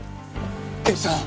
刑事さん！